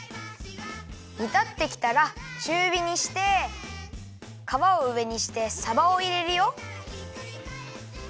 煮たってきたらちゅうびにしてかわをうえにしてさばをいれるよ。